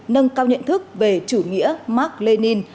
nâng cao nhận thức về chủ nghĩa mark lenin